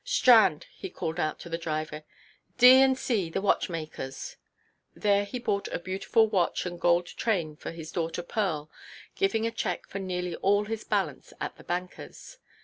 "Strand," he called out to the driver; "D—— and C——ʼs, the watchmakers." There he bought a beautiful watch and gold chain for his daughter Pearl, giving a cheque for nearly all his balance at the bankerʼs.